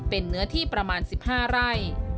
เป็นเนื้อที่ประมาณ๑๕ไร่